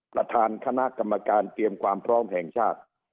ประธานคณะกรรมการเตรียมความพร้อมแห่งชาติ